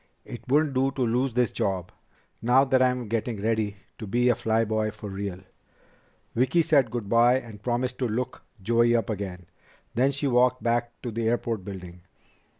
"It wouldn't do to lose this job, now that I'm getting ready to be a fly boy for real." Vicki said good by and promised to look Joey up again. Then she walked back to the airport building.